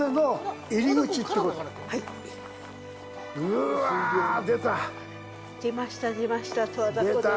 うわぁ、出た！出ました、出ました、十和田湖です。